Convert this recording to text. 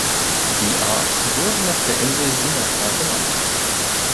Die Art wurde nach der Insel Sumatra benannt.